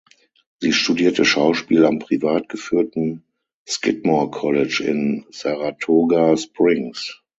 Sie studierte Schauspiel am privat geführten Skidmore College in Saratoga Springs.